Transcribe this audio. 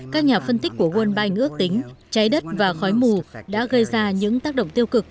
các nhà phân tích của world bank ước tính cháy đất và khói mù đã gây ra những tác động tiêu cực